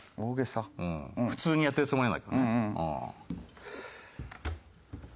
普通にやってるつもりなんだけどね。